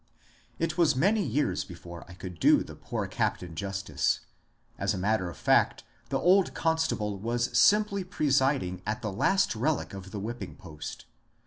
It was many years before I could do the poor captain jus tice. As a matter of fact, the old constable was simply pre siding at the last relic of the whipping post.